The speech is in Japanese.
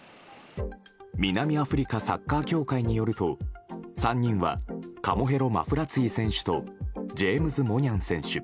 南アフリカサッカー協会によると３人はカモヘロ・マフラツィ選手とジェームズ・モニャン選手。